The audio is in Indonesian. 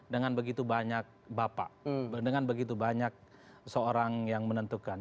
dengan begitu banyak bapak dengan begitu banyak seorang yang menentukan